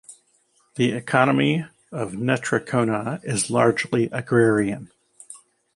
The economy of Netrakona is largely agrarian.